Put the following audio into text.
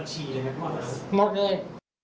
หมดเลย